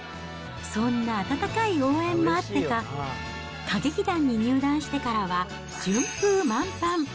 そんな温かい応援もあってか、歌劇団に入団してからは順風満帆。